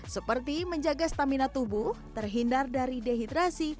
seperti menjaga stamina tubuh terhindar dari dehidrasi